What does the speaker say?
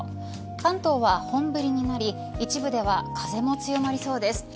関東は本降りになり一部では風も強まりそうです。